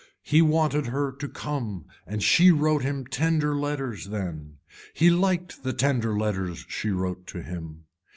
He wanted her to come and she wrote him tender letters then. He liked the tender letters she wrote to him.